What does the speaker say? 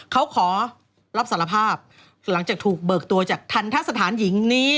เขาขอรับสารภาพหลังจากถูกเบิกตัวจากทันทะสถานหญิงนี้